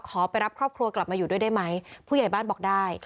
ไปรับครอบครัวกลับมาอยู่ด้วยได้ไหมผู้ใหญ่บ้านบอกได้